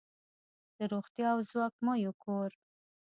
د روغتیا او ځواک میوو کور.